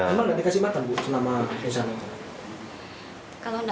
emang tidak dikasih makan selama misalnya